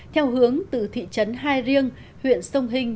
theo hướng từ thị trấn hai riêng huyện sông hình